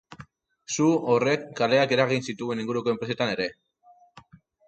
Su horrek kaleak eragin zituen inguruko enpresetan ere.